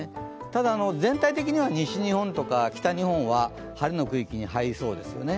ただ、全体的には西日本とか北日本は晴れの区域に入りそうですね。